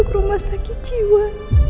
mama masuk rumah sakit jiwa